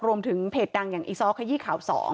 เพจดังอย่างอีซ้อขยี้ข่าว๒